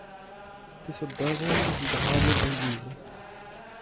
Peseurt dazont evit Radio Breizh Izel ?